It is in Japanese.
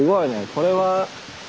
これは。